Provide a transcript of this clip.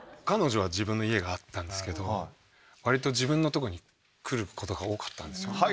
彼女は自分の家があったんですけどわりと自分のとこに来ることが多かったんですよ。